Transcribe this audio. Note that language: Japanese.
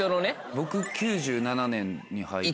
僕９７年に入った。